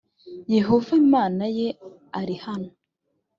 yehova imana ye ari hano